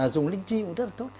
dùng linh chi cũng rất là tốt